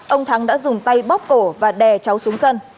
ông thắng đã dùng tay bóc cổ và đè cháu xuống sân